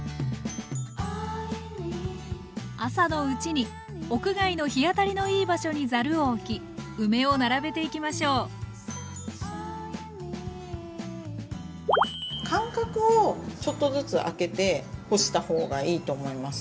朝のうちに屋外の日当たりのいい場所にざるをおき梅を並べていきましょう間隔をちょっとずつあけて干した方がいいと思います。